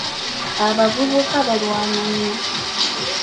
Abavubuka balwana nnyo.